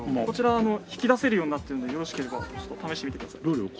こちら引き出せるようになっているのでよろしければ試してみてください。